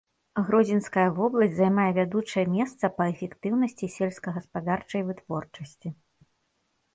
Гродзенская вобласць займае вядучае месца па эфектыўнасці сельскагаспадарчай вытворчасці.